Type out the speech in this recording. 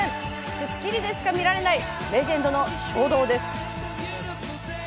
『スッキリ』でしか見られない、レジェンドの書道です。